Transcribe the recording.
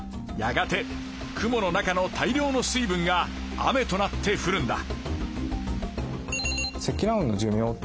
やがて雲の中の大量の水分が雨となって降るんだ。